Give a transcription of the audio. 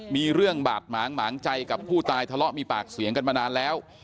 มีเรื่องบาดหมางหมางใจกับผู้ตายทะเลาะมีปากเสียงกันมานานแล้ว